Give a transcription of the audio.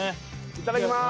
いただきます